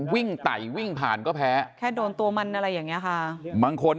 ไต่วิ่งผ่านก็แพ้แค่โดนตัวมันอะไรอย่างนี้ค่ะบางคน